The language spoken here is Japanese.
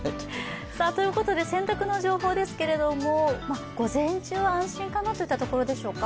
ということで洗濯の情報ですが午前中は安心かなといったところでしょうか。